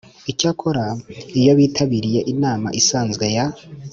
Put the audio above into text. Icyakora iyo bitabiriye inama isanzwe ya